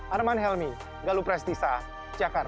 arman helmi galuprestisa jakarta